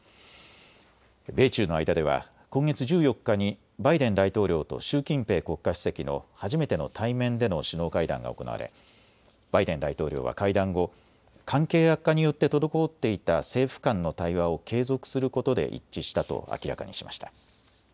米中の間では今月１４日にバイデン大統領と習近平国家主席の初めての対面での首脳会談が行われバイデン大統領は会談後、関係悪化によって滞っていた政府間の対話を継続することで一致したと明らかにしました。